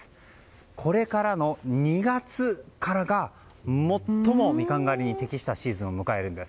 これからの２月からが最もミカン狩りに適したシーズンを迎えるんです。